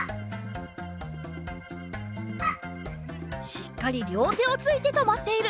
しっかりりょうてをついてとまっている！